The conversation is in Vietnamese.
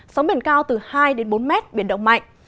sóng biển cao từ hai đến bốn mét biển động mạnh